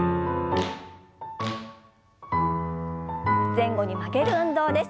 前後に曲げる運動です。